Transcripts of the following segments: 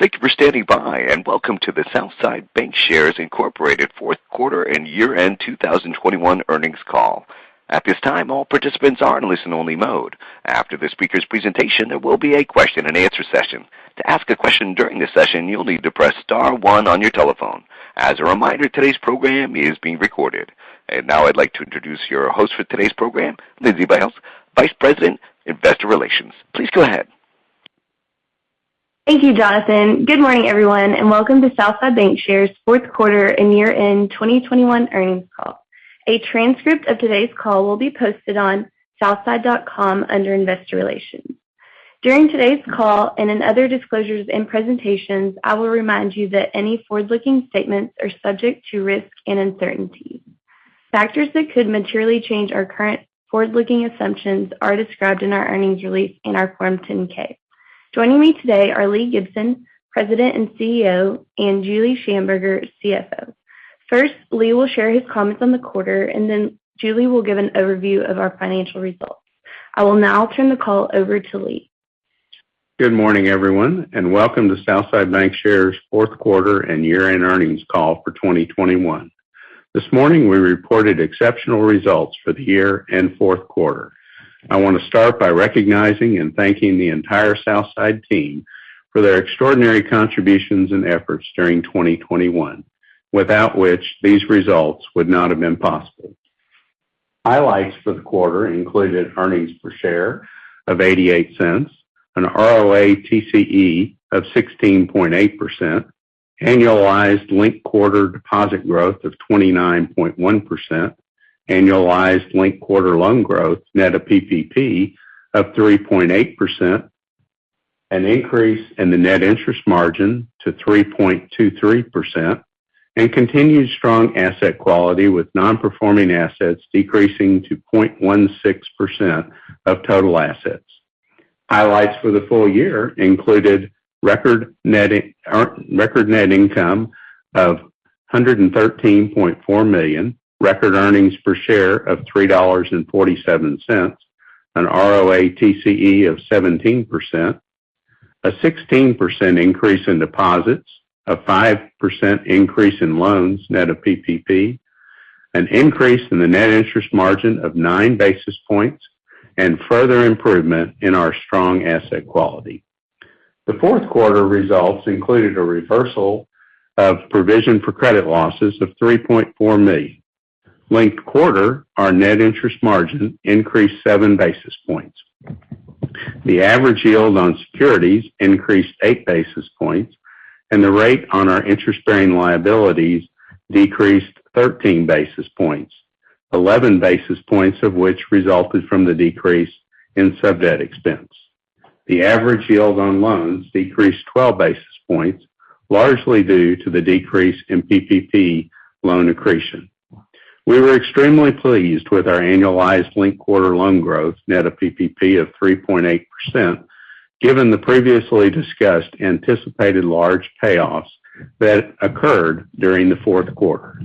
Thank you for standing by, and welcome to the Southside Bancshares, Inc. fourth quarter and year-end 2021 earnings call. At this time, all participants are in listen-only mode. After the speaker's presentation, there will be a question and answer session. To ask a question during the session, you'll need to press star one on your telephone. As a reminder, today's program is being recorded. Now I'd like to introduce your host for today's program, Lindsey Bailes, Vice President, Investor Relations. Please go ahead. Thank you, Jonathan. Good morning, everyone, and welcome to Southside Bancshares fourth quarter and year-end 2021 earnings call. A transcript of today's call will be posted on southside.com under Investor Relations. During today's call, and in other disclosures and presentations, I will remind you that any forward-looking statements are subject to risk and uncertainty. Factors that could materially change our current forward-looking assumptions are described in our earnings release in our Form 10-K. Joining me today are Lee Gibson, President and CEO, and Julie Shamburger, CFO. First, Lee will share his comments on the quarter, and then Julie will give an overview of our financial results. I will now turn the call over to Lee. Good morning, everyone, and welcome to Southside Bancshares fourth quarter and year-end earnings call for 2021. This morning, we reported exceptional results for the year and fourth quarter. I wanna start by recognizing and thanking the entire Southside team for their extraordinary contributions and efforts during 2021, without which these results would not have been possible. Highlights for the quarter included earnings per share of $0.88, an ROATCE of 16.8%, annualized linked quarter deposit growth of 29.1%, annualized linked quarter loan growth, net of PPP, of 3.8%, an increase in the net interest margin to 3.23%, and continued strong asset quality with non-performing assets decreasing to 0.16% of total assets. Highlights for the full year included record net in record net income of $113.4 million, record earnings per share of $3.47, an ROATCE of 17%, a 16% increase in deposits, a 5% increase in loans, net of PPP, an increase in the net interest margin of 9 basis points, and further improvement in our strong asset quality. The fourth quarter results included a reversal of provision for credit losses of $3.4 million. Linked quarter, our net interest margin increased seven basis points. The average yield on securities increased eight basis points, and the rate on our interest-bearing liabilities decreased 13 basis points, 11 basis points of which resulted from the decrease in sub-debt expense. The average yield on loans decreased 12 basis points, largely due to the decrease in PPP loan accretion. We were extremely pleased with our annualized linked quarter loan growth, net of PPP, of 3.8%, given the previously discussed anticipated large payoffs that occurred during the fourth quarter.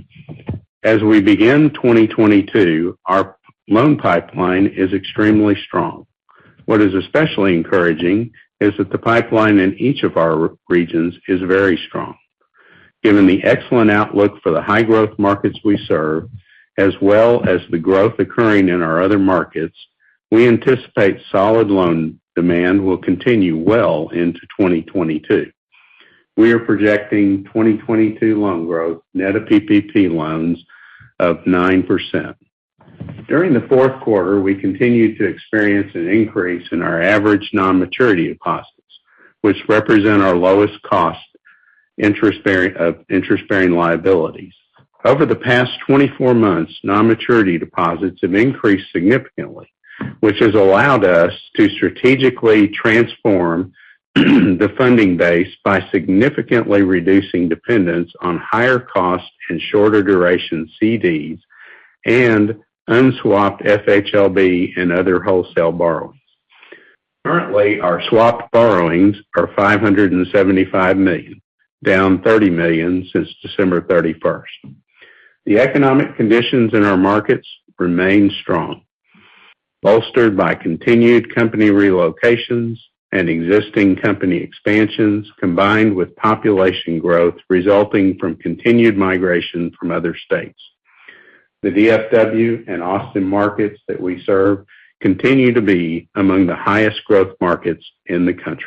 As we begin 2022, our loan pipeline is extremely strong. What is especially encouraging is that the pipeline in each of our regions is very strong. Given the excellent outlook for the high-growth markets we serve, as well as the growth occurring in our other markets, we anticipate solid loan demand will continue well into 2022. We are projecting 2022 loan growth, net of PPP loans, of 9%. During the fourth quarter, we continued to experience an increase in our average non-maturity deposits, which represent our lowest cost interest-bearing liabilities. Over the past 24 months, non-maturity deposits have increased significantly, which has allowed us to strategically transform the funding base by significantly reducing dependence on higher cost and shorter duration CDs and unswapped FHLB and other wholesale borrowings. Currently, our swapped borrowings are $575 million, down $30 million since December 31. The economic conditions in our markets remain strong, bolstered by continued company relocations and existing company expansions, combined with population growth resulting from continued migration from other states. The DFW and Austin markets that we serve continue to be among the highest growth markets in the country.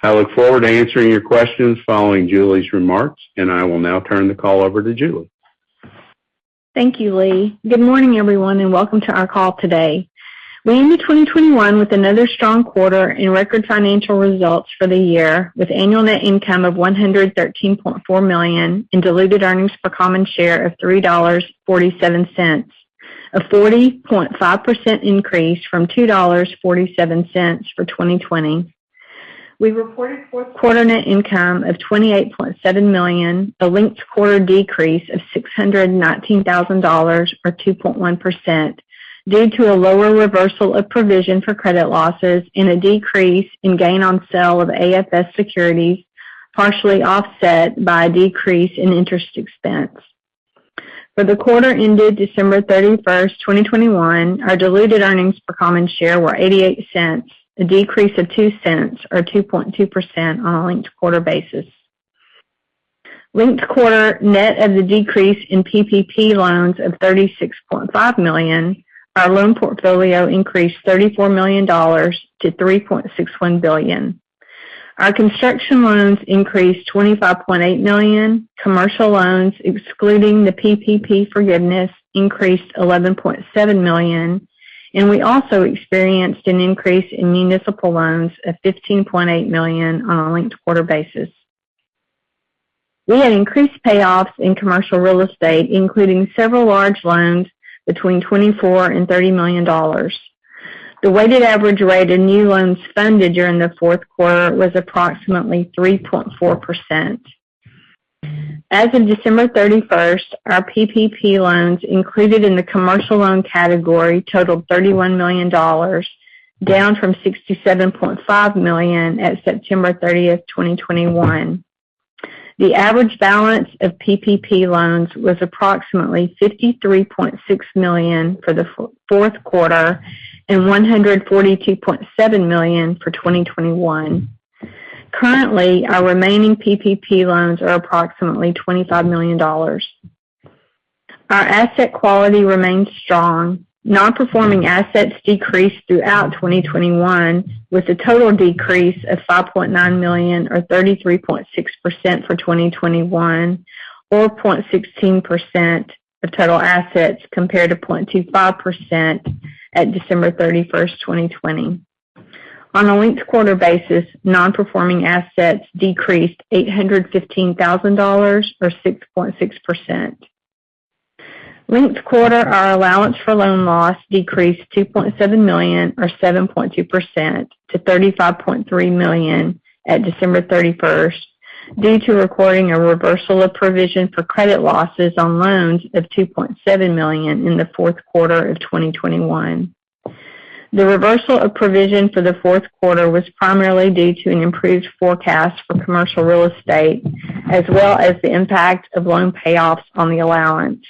I look forward to answering your questions following Julie's remarks, and I will now turn the call over to Julie. Thank you, Lee. Good morning, everyone, and welcome to our call today. We ended 2021 with another strong quarter and record financial results for the year, with annual net income of $113.4 million and diluted earnings per common share of $3.47, a 40.5% increase from $2.47 for 2020. We reported fourth quarter net income of $28.7 million, a linked quarter decrease of $619,000, or 2.1%, due to a lower reversal of provision for credit losses and a decrease in gain on sale of AFS securities, partially offset by a decrease in interest expense. For the quarter ended December 31, 2021, our diluted earnings per common share were $0.88, a decrease of $0.02, or 2.2% on a linked quarter basis. Linked quarter, net of the decrease in PPP loans of $36.5 million, our loan portfolio increased $34 million to $3.61 billion. Our construction loans increased $25.8 million. Commercial loans, excluding the PPP forgiveness, increased $11.7 million. We also experienced an increase in municipal loans of $15.8 million on a linked quarter basis. We had increased payoffs in commercial real estate, including several large loans between $24 million and $30 million. The weighted average rate in new loans funded during the fourth quarter was approximately 3.4%. As of December 31, our PPP loans included in the commercial loan category totaled $31 million, down from $67.5 million at September 30, 2021. The average balance of PPP loans was approximately $53.6 million for the fourth quarter and $142.7 million for 2021. Currently, our remaining PPP loans are approximately $25 million. Our asset quality remains strong. Non-performing assets decreased throughout 2021, with a total decrease of $5.9 million or 33.6% for 2021, or 0.16% of total assets, compared to 0.25% at December 31, 2020. On a linked quarter basis, non-performing assets decreased $815,000, or 6.6%. Linked quarter, our allowance for loan loss decreased $2.7 million or 7.2% to $35.3 million at December 31, due to recording a reversal of provision for credit losses on loans of $2.7 million in the fourth quarter of 2021. The reversal of provision for the fourth quarter was primarily due to an improved forecast for commercial real estate, as well as the impact of loan payoffs on the allowance.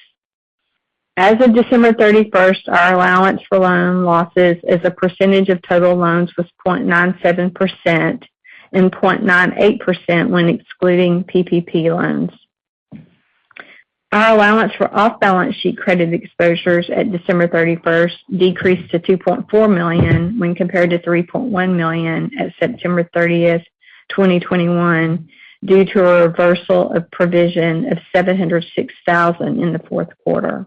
As of December 31, our allowance for loan losses as a percentage of total loans was 0.97% and 0.98% when excluding PPP loans. Our allowance for off-balance sheet credit exposures at December 31 decreased to $2.4 million when compared to $3.1 million at September 30, 2021, due to a reversal of provision of $706,000 in the fourth quarter.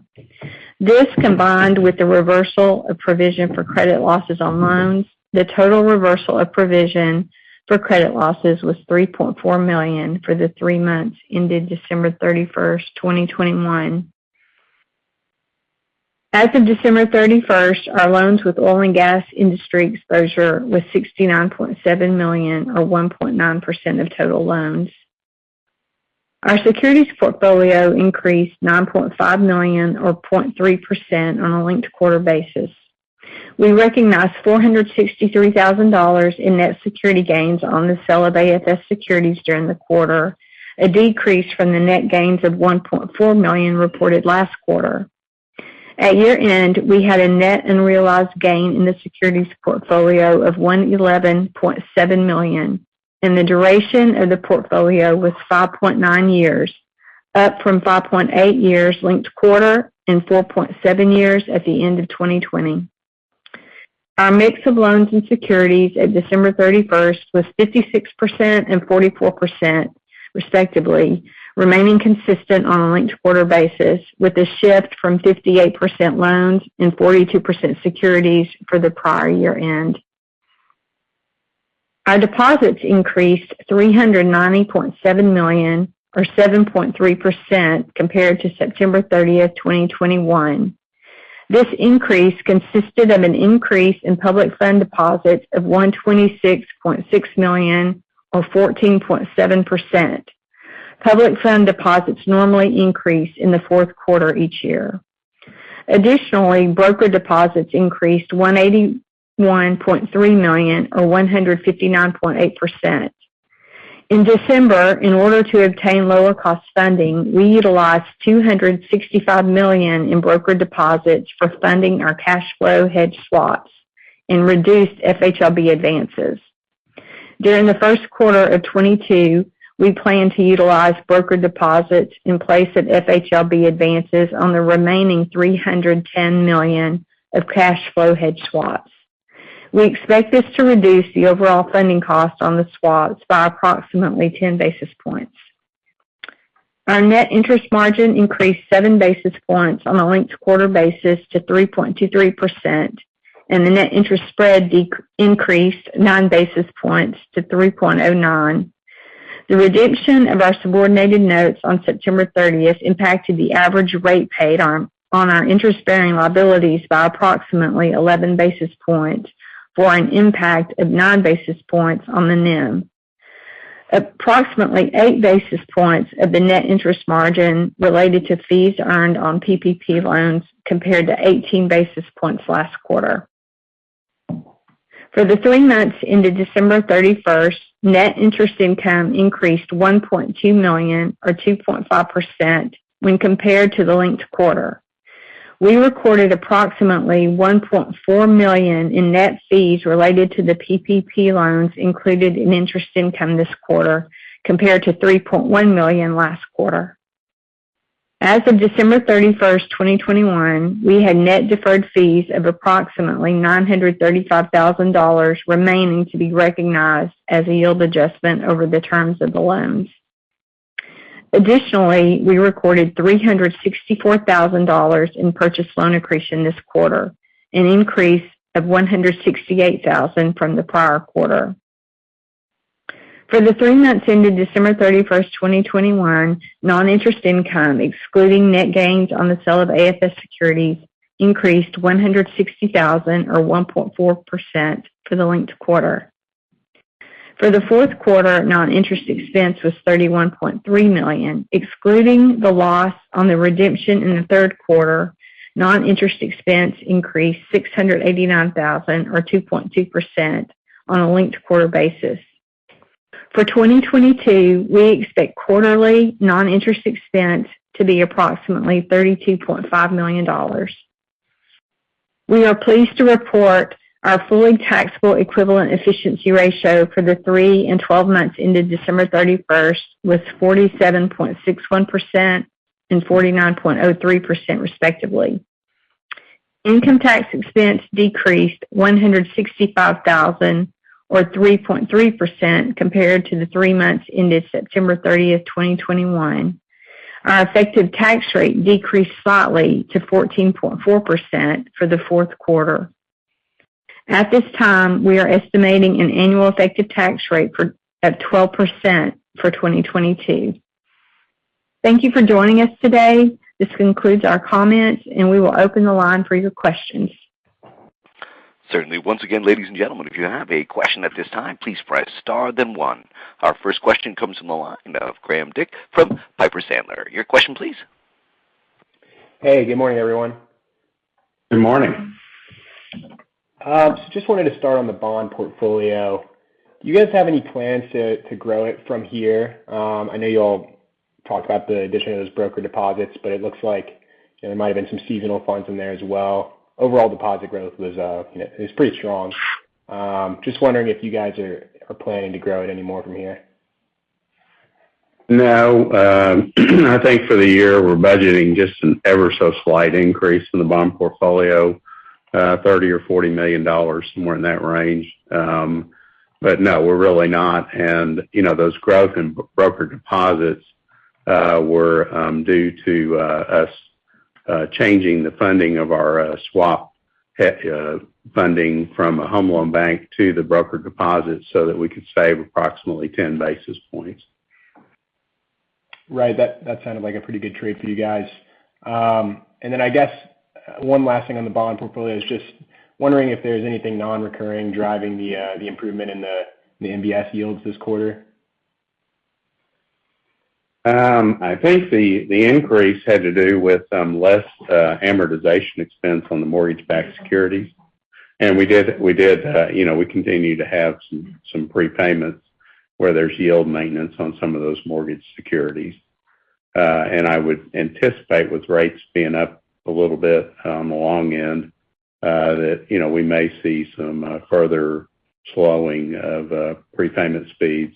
This, combined with the reversal of provision for credit losses on loans, the total reversal of provision for credit losses was $3.4 million for the three months ended December 31, 2021. As of December 31, our loans with oil and gas industry exposure was $69.7 million or 1.9% of total loans. Our securities portfolio increased $9.5 million or 0.3% on a linked quarter basis. We recognized $463,000 in net security gains on the sale of AFS securities during the quarter, a decrease from the net gains of $1.4 million reported last quarter. At year-end, we had a net unrealized gain in the securities portfolio of $111.7 million, and the duration of the portfolio was 5.9 years, up from 5.8 years linked quarter and 4.7 years at the end of 2020. Our mix of loans and securities at December 31 was 56% and 44% respectively, remaining consistent on a linked quarter basis with a shift from 58% loans and 42% securities for the prior year-end. Our deposits increased $390.7 million or 7.3% compared to September 30, 2021. This increase consisted of an increase in public fund deposits of $126.6 million or 14.7%. Public fund deposits normally increase in the fourth quarter each year. Additionally, broker deposits increased $181.3 million or 159.8%. In December, in order to obtain lower cost funding, we utilized $265 million in broker deposits for funding our cash flow hedge swaps and reduced FHLB advances. During the first quarter of 2022, we plan to utilize broker deposits in place of FHLB advances on the remaining $310 million of cash flow hedge swaps. We expect this to reduce the overall funding cost on the swaps by approximately 10 basis points. Our net interest margin increased seven basis points on a linked quarter basis to 3.23%, and the net interest spread increased nine basis points to 3.09%. The redemption of our subordinated notes on September 30th impacted the average rate paid on our interest-bearing liabilities by approximately 11 basis points for an impact of nine basis points on the NIM. Approximately eight basis points of the net interest margin related to fees earned on PPP loans, compared to 18 basis points last quarter. For the three months ended December 31st, net interest income increased $1.2 million or 2.5% when compared to the linked quarter. We recorded approximately $1.4 million in net fees related to the PPP loans included in interest income this quarter compared to $3.1 million last quarter. As of December 31, 2021, we had net deferred fees of approximately $935,000 remaining to be recognized as a yield adjustment over the terms of the loans. Additionally, we recorded $364,000 in purchase loan accretion this quarter, an increase of $168,000 from the prior quarter. For the three months ended December 31, 2021, non-interest income, excluding net gains on the sale of AFS securities, increased $160,000 or 1.4% for the linked quarter. For the fourth quarter, non-interest expense was $31.3 million. Excluding the loss on the redemption in the third quarter, non-interest expense increased $689,000 or 2.2% on a linked quarter basis. For 2022, we expect quarterly non-interest expense to be approximately $32.5 million. We are pleased to report our fully taxable equivalent efficiency ratio for the three and 12 months ended December 31 was 47.61% and 49.03%, respectively. Income tax expense decreased $165,000 or 3.3% compared to the three months ended September 30, 2021. Our effective tax rate decreased slightly to 14.4% for the fourth quarter. At this time, we are estimating an annual effective tax rate at 12% for 2022. Thank you for joining us today. This concludes our comments, and we will open the line for your questions. Certainly. Once again, ladies and gentlemen, if you have a question at this time, please press star then one. Our first question comes from the line of Graham Dick from Piper Sandler. Your question please. Hey, good morning, everyone. Good morning. Just wanted to start on the bond portfolio. Do you guys have any plans to grow it from here? I know y'all talked about the addition of those broker deposits, but it looks like, you know, there might have been some seasonal funds in there as well. Overall deposit growth is pretty strong. Just wondering if you guys are planning to grow it any more from here. No. I think for the year, we're budgeting just an ever so slight increase in the bond portfolio, $30 million-$40 million, somewhere in that range. No, we're really not. You know, that growth in brokered deposits were due to us changing the funding of our swap hedging from Federal Home Loan Bank to the brokered deposits so that we could save approximately 10 basis points. Right. That sounded like a pretty good trade for you guys. I guess one last thing on the bond portfolio is just wondering if there's anything non-recurring driving the improvement in the MBS yields this quarter. I think the increase had to do with less amortization expense on the mortgage-backed securities. We do you know we continue to have some prepayments where there's yield maintenance on some of those mortgage securities. I would anticipate with rates being up a little bit along in that you know we may see some further slowing of prepayment speeds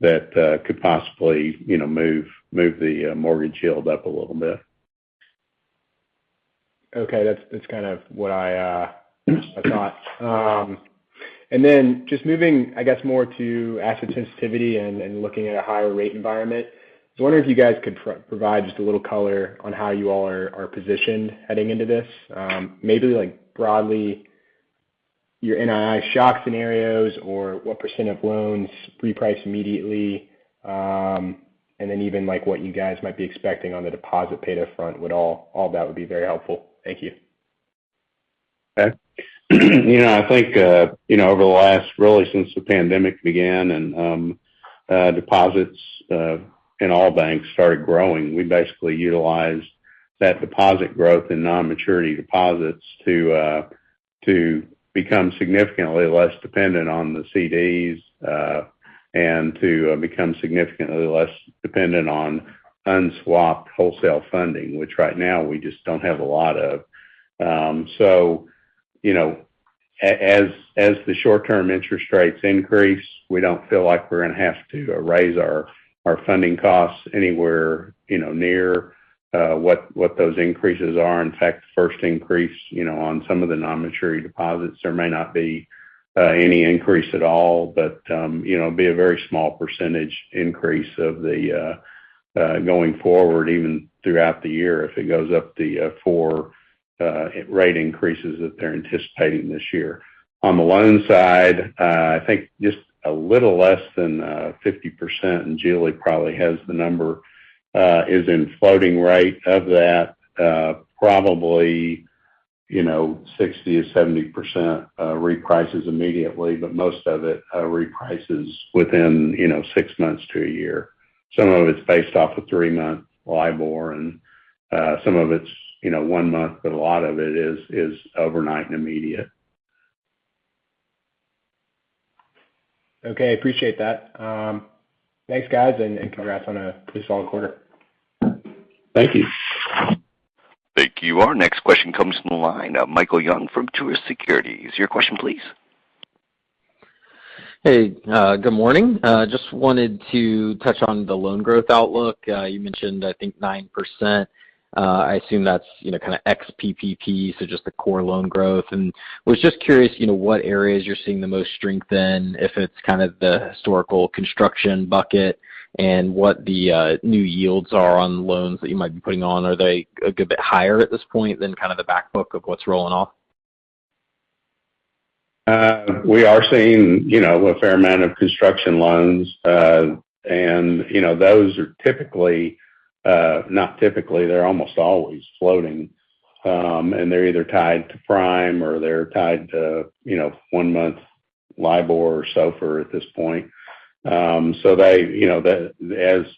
that could possibly you know move the mortgage yield up a little bit. Okay. That's kind of what I thought. And then just moving, I guess, more to asset sensitivity and looking at a higher rate environment. I wonder if you guys could provide just a little color on how you all are positioned heading into this. Maybe like broadly your NII shock scenarios or what percent of loans reprice immediately, and then even like what you guys might be expecting on the deposit paid up front would all that would be very helpful. Thank you. Okay. You know, I think, you know, over the last really since the pandemic began and, deposits in all banks started growing, we basically utilized that deposit growth in non-maturity deposits to become significantly less dependent on the CDs, and to become significantly less dependent on unswapped wholesale funding, which right now we just don't have a lot of. You know, as the short-term interest rates increase, we don't feel like we're gonna have to raise our funding costs anywhere, you know, near what those increases are. In fact, the first increase on some of the non-maturity deposits, there may not be any increase at all, but be a very small percentage increase of the going forward even throughout the year if it goes up the four rate increases that they're anticipating this year. On the loan side, I think just a little less than 50%, and Julie probably has the number is in floating rate. Of that, probably 60% or 70% reprices immediately, but most of it reprices within six months to a year. Some of it's based off a three-month LIBOR, and some of it's one month, but a lot of it is overnight and immediate. Okay. Appreciate that. Thanks, guys, and congrats on a solid quarter. Thank you. Thank you. Our next question comes from the line of Michael Young from Truist Securities. Your question, please. Hey, good morning. Just wanted to touch on the loan growth outlook. You mentioned, I think, 9%. I assume that's, you know, kind of ex PPP, so just the core loan growth. I was just curious, you know, what areas you're seeing the most strength in, if it's kind of the historical construction bucket, and what the new yields are on loans that you might be putting on. Are they a good bit higher at this point than kind of the back book of what's rolling off? We are seeing, you know, a fair amount of construction loans. You know, those are not typically, they're almost always floating. They're either tied to prime or they're tied to, you know, one-month LIBOR or SOFR at this point. They, you know,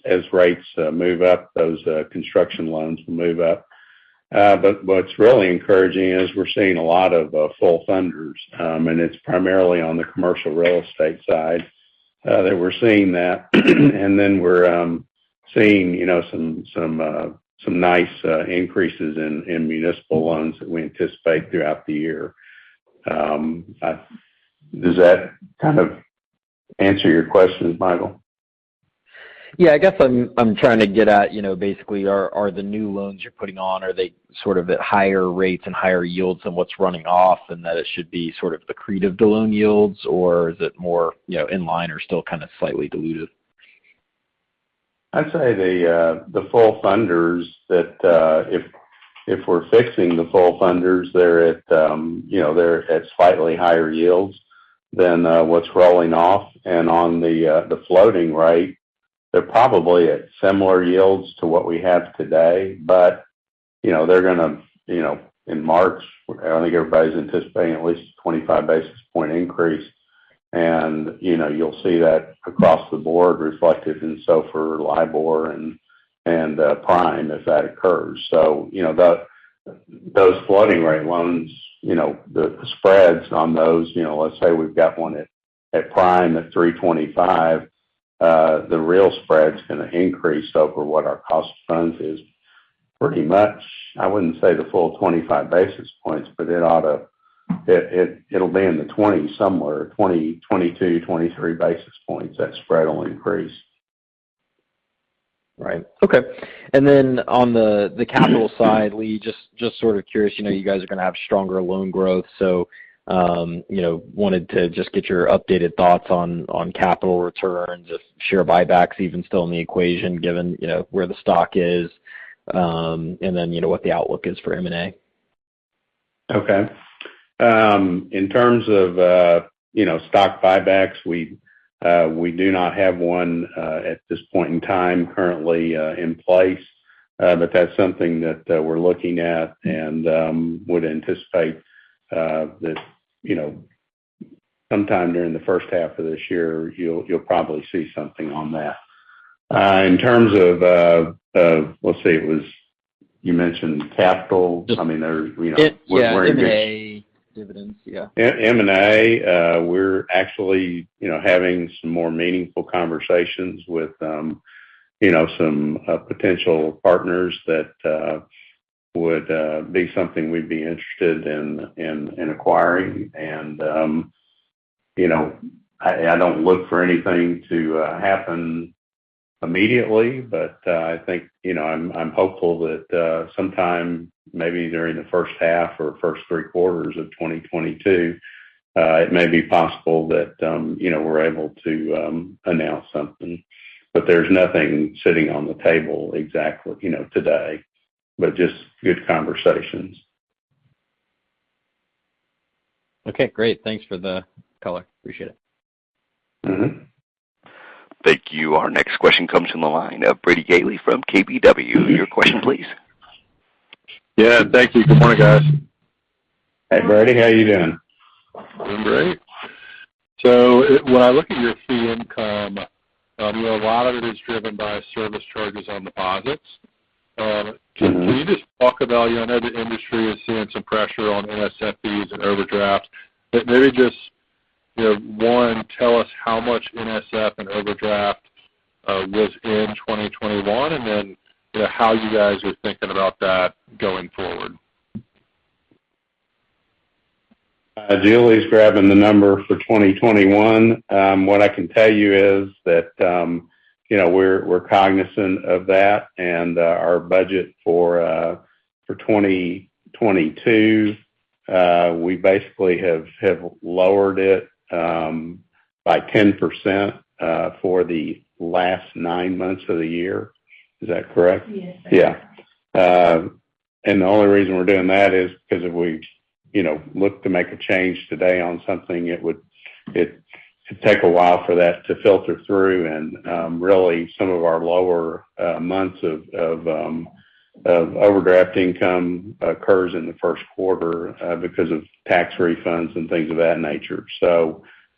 as rates move up, those construction loans will move up. What's really encouraging is we're seeing a lot of full funders, and it's primarily on the commercial real estate side that we're seeing that. We're seeing, you know, some nice increases in municipal loans that we anticipate throughout the year. Does that kind of answer your question, Michael? Yeah, I guess I'm trying to get at, you know, basically are the new loans you're putting on at higher rates and higher yields than what's running off and that it should be sort of accretive to loan yields? Or is it more, you know, in line or still kind of slightly dilutive? I'd say the fixed funding that if we're fixing the fixed funding, they're at, you know, they're at slightly higher yields than what's rolling off. On the floating rate, they're probably at similar yields to what we have today. You know, they're gonna, you know, in March, I think everybody's anticipating at least 25 basis point increase. You know, you'll see that across the board reflected in SOFR, LIBOR, and prime as that occurs. You know, those floating rate loans, you know, the spreads on those, you know, let's say we've got one at prime at 325, the real spread's gonna increase over what our cost of funds is pretty much, I wouldn't say the full 25 basis points, but it ought to. It'll be in the 20s somewhere, 22 basis points-23 basis points that spread will increase. Right. Okay. On the capital side, Lee, just sort of curious, you know, you guys are gonna have stronger loan growth, so, you know, wanted to just get your updated thoughts on capital returns, if share buybacks even still in the equation given, you know, where the stock is, and then, you know, what the outlook is for M&A. Okay. In terms of, you know, stock buybacks, we do not have one at this point in time currently in place. But that's something that we're looking at and would anticipate that, you know, sometime during the first half of this year, you'll probably see something on that. In terms of, let's see, you mentioned capital. I mean, there, you know, we're- Yeah, M&A dividends. Yeah. M&A, we're actually, you know, having some more meaningful conversations with, you know, some potential partners that would be something we'd be interested in acquiring. You know, I don't look for anything to happen immediately, but I think, you know, I'm hopeful that sometime maybe during the first half or first three quarters of 2022, it may be possible that, you know, we're able to announce something. There's nothing sitting on the table exactly, you know, today, but just good conversations. Okay, great. Thanks for the color. Appreciate it. Mm-hmm. Thank you. Our next question comes from the line of Brady Gailey from KBW. Your question, please. Yeah. Thank you. Good morning, guys. Hey, Brady. How are you doing? I'm great. When I look at your fee income, you know, a lot of it is driven by service charges on deposits. Mm-hmm. Can you just talk about, you know, the industry is seeing some pressure on NSFs and overdrafts. Maybe just, you know, one, tell us how much NSF and overdraft was in 2021, and then, you know, how you guys are thinking about that going forward. Julie’s grabbing the number for 2021. What I can tell you is that, you know, we're cognizant of that. Our budget for 2022, we basically have lowered it by 10% for the last nine months of the year. Is that correct? Yes, sir. Yeah. The only reason we're doing that is because if we, you know, look to make a change today on something, it could take a while for that to filter through. Really some of our lower months of overdraft income occurs in the first quarter, because of tax refunds and things of that nature.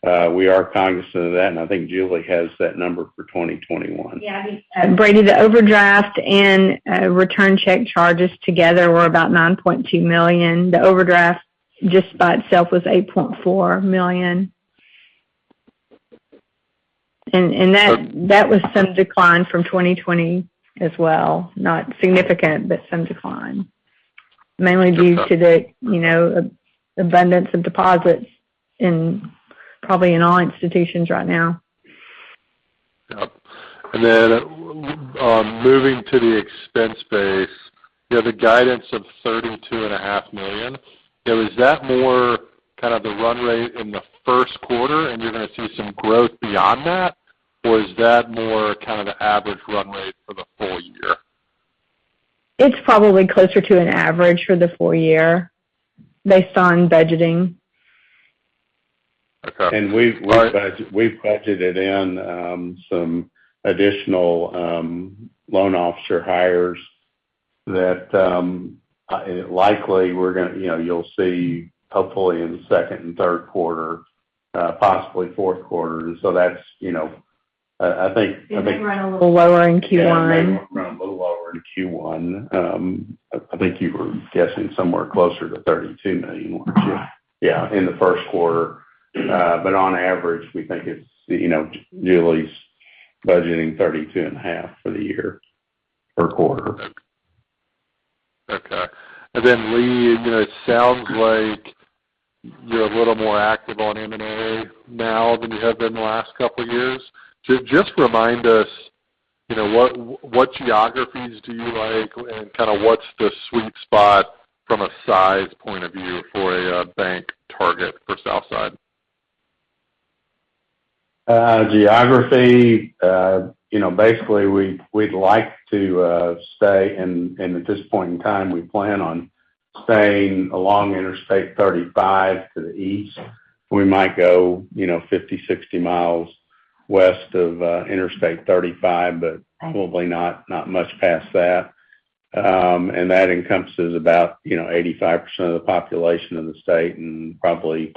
We are cognizant of that, and I think Julie has that number for 2021. Yeah. Brady, the overdraft and return check charges together were about $9.2 million. The overdraft just by itself was $8.4 million. That was some decline from 2020 as well. Not significant, but some decline. Mainly due to the you know abundance of deposits in, probably, all institutions right now. Yep. Moving to the expense base, you know, the guidance of $32.5 million, you know, is that more kind of the run rate in the first quarter, and you're gonna see some growth beyond that? Or is that more kind of the average run rate for the full year? It's probably closer to an average for the full year based on budgeting. Okay. We've budgeted in some additional loan officer hires that likely we're gonna, you know, you'll see hopefully in the second and third quarter, possibly fourth quarter. So that's, you know, I think. It may run a little lower in Q1. It may run a little lower in Q1. I think you were guessing somewhere closer to $32 million, weren't you? Right. Yeah, in the first quarter. But on average, we think it's, you know, Julie's budgeting $32.5 million for the year, per quarter. Okay. Lee, you know, it sounds like you're a little more active on M&A now than you have been the last couple years. Just remind us, you know, what geographies do you like and kind of what's the sweet spot from a size point of view for a bank target for Southside? Geography, you know, basically we'd like to stay and at this point in time, we plan on staying along Interstate 35 to the east. We might go, you know, 50, 60 mi west of Interstate 35, but probably not much past that. That encompasses about, you know, 85% of the population in the state and probably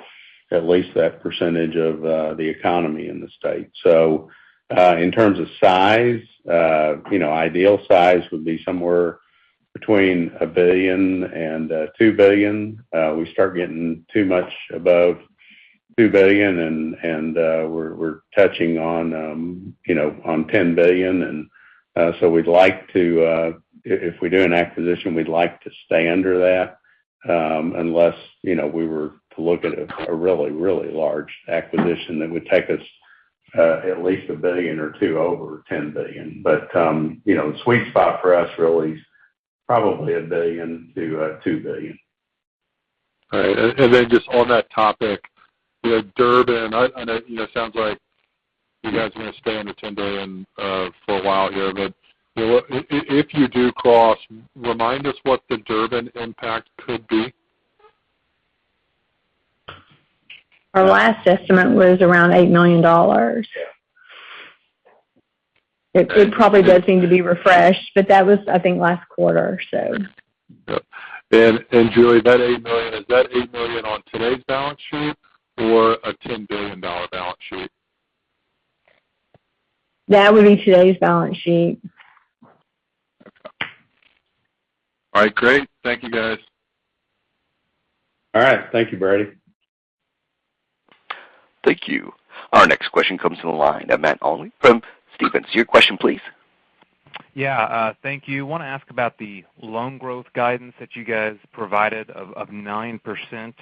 at least that percentage of the economy in the state. In terms of size, you know, ideal size would be somewhere between $1 billion and $2 billion. We start getting too much above $2 billion and we're touching on, you know, on $10 billion. We'd like to, if we do an acquisition, we'd like to stay under that, unless, you know, we were to look at a really large acquisition that would take us at least $1 billion or $2 billion over $10 billion. You know, the sweet spot for us really is probably $1 billion-$2 billion. All right. Then just on that topic, you know, Durbin, I know, you know, it sounds like you guys are going to stay under $10 billion for a while here. You know, if you do cross, remind us what the Durbin impact could be. Our last estimate was around $8 million. Yeah. It probably does need to be refreshed, but that was, I think, last quarter. Yep. Julie, that $8 million, is that $8 million on today's balance sheet or a $10 billion balance sheet? That would be today's balance sheet. Okay. All right, great. Thank you, guys. All right. Thank you, Brady. Thank you. Our next question comes from the line of Matt Olney from Stephens. Your question, please. Yeah, thank you. Want to ask about the loan growth guidance that you guys provided of 9%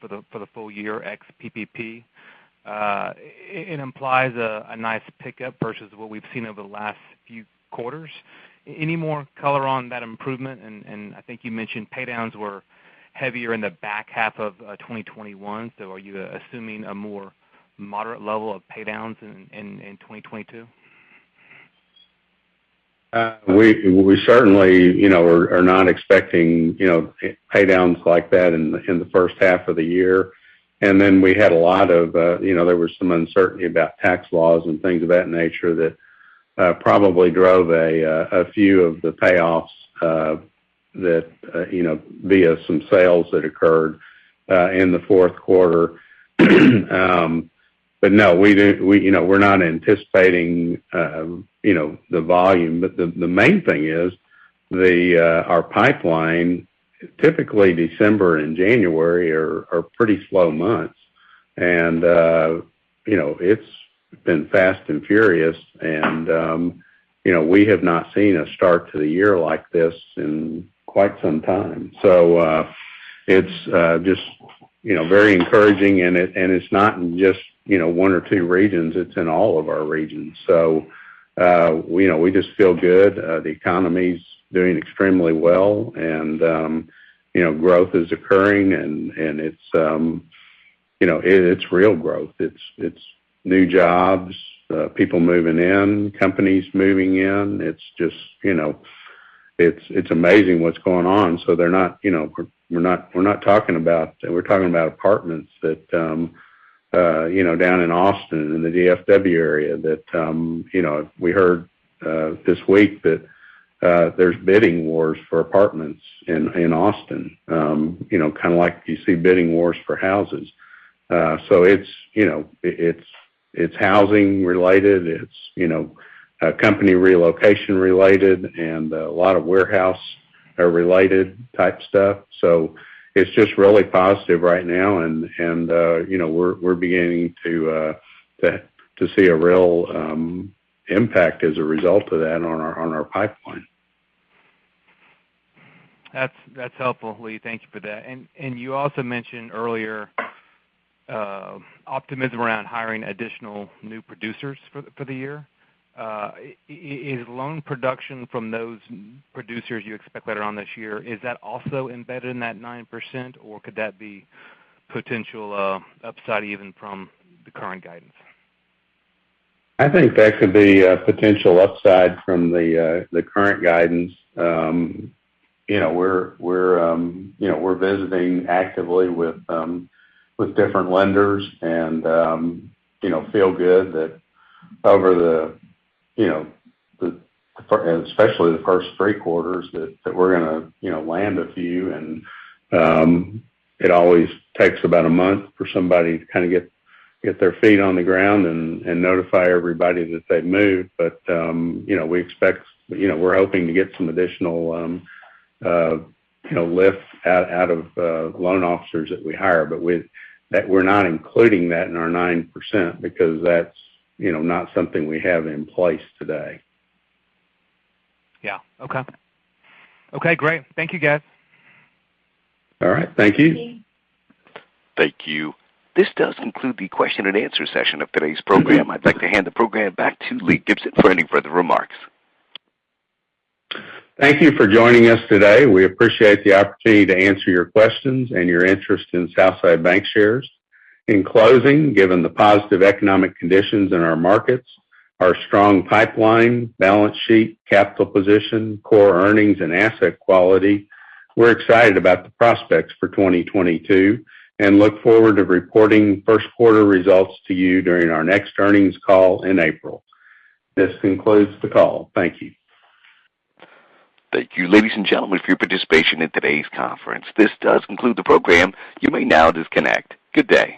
for the full year ex PPP. It implies a nice pickup versus what we've seen over the last few quarters. Any more color on that improvement? I think you mentioned paydowns were heavier in the back half of 2021. Are you assuming a more moderate level of paydowns in 2022? We certainly, you know, are not expecting, you know, paydowns like that in the first half of the year. We had a lot of, you know, there was some uncertainty about tax laws and things of that nature that probably drove a few of the payoffs that you know via some sales that occurred in the fourth quarter. No, we, you know, we're not anticipating, you know, the volume. The main thing is our pipeline. Typically December and January are pretty slow months. You know, it's been fast and furious and, you know, we have not seen a start to the year like this in quite some time. It's just, you know, very encouraging and it's not in just, you know, one or two regions, it's in all of our regions. You know, we just feel good. The economy's doing extremely well and, you know, growth is occurring and it's real growth. You know, it's real growth. It's new jobs, people moving in, companies moving in. It's just, you know, it's amazing what's going on. You know, we're not talking about. We're talking about apartments that, you know, down in Austin, in the DFW area that, you know, we heard this week that there's bidding wars for apartments in Austin, you know, kind of like you see bidding wars for houses. It's housing related, you know, it's company relocation related and a lot of warehouse or related type stuff. It's just really positive right now and you know we're beginning to see a real impact as a result of that on our pipeline. That's helpful, Lee. Thank you for that. You also mentioned earlier optimism around hiring additional new producers for the year. Is loan production from those producers you expect later on this year also embedded in that 9%, or could that be potential upside even from the current guidance? I think that could be a potential upside from the current guidance. You know, we're visiting actively with different lenders and you know feel good that over the you know especially the first three quarters that we're gonna you know land a few. It always takes about a month for somebody to kind of get their feet on the ground and notify everybody that they've moved. You know, we expect you know we're hoping to get some additional you know lift out of loan officers that we hire that we're not including that in our 9% because that's you know not something we have in place today. Yeah. Okay, great. Thank you, guys. All right. Thank you. Thank you. This does conclude the question and answer session of today's program. I'd like to hand the program back to Lee Gibson for any further remarks. Thank you for joining us today. We appreciate the opportunity to answer your questions and your interest in Southside Bancshares. In closing, given the positive economic conditions in our markets, our strong pipeline, balance sheet, capital position, core earnings and asset quality, we're excited about the prospects for 2022 and look forward to reporting first quarter results to you during our next earnings call in April. This concludes the call. Thank you. Thank you, ladies and gentlemen, for your participation in today's conference. This does conclude the program. You may now disconnect. Good day.